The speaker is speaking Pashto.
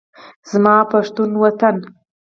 زما پښتون وطن